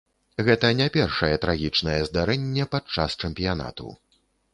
Гэта не першае трагічнае здарэнне падчас чэмпіянату.